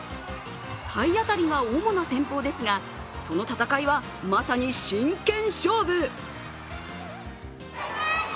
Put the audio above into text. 体当たりが主な戦法ですが、その戦いはまさに真剣勝負。